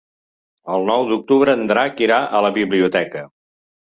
El nou d'octubre en Drac irà a la biblioteca.